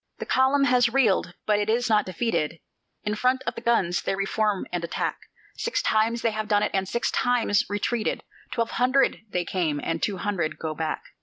The column has reeled, but it is not defeated; In front of the guns they re form and attack; Six times they have done it, and six times retreated; Twelve hundred they came, and two hundred go back.